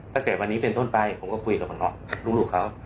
ถ้าเกิดวันนี้เป็นต้นไปผมก็คุยกับหมอน็อกลูกเขา